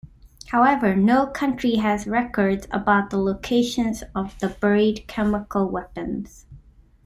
However, no country has records about the locations of the buried chemical weapons.